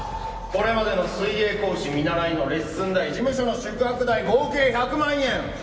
これまでの水泳講師見習いのレッスン代事務所の宿泊代合計１００万円！